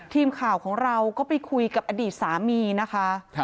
ทีมข่าวของเราก็ไปคุยกับอดีตสามีนะคะ